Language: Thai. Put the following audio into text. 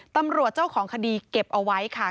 ตำรวจเจ้าของคดีเก็บเอาไว้ค่ะ